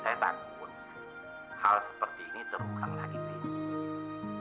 saya takut pun hal seperti ini terukang lagi bin